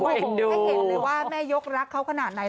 ให้เห็นเลยว่าแม่ยกรักเขาขนาดไหน